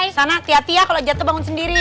sana hati hati ya kalau jatuh bangun sendiri